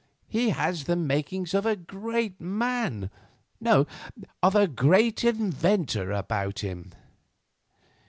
He has the makings of a great man—no, of a great inventor about him."